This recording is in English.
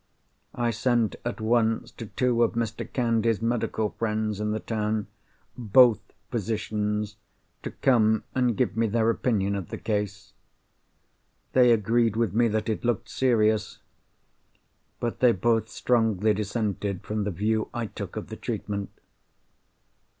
I sent at once to two of Mr. Candy's medical friends in the town, both physicians, to come and give me their opinion of the case. They agreed with me that it looked serious; but they both strongly dissented from the view I took of the treatment.